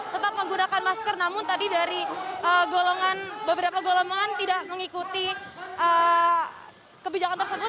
tetap menggunakan masker namun tadi dari beberapa golongan tidak mengikuti kebijakan tersebut